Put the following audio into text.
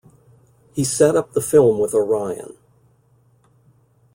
He set up the film with Orion.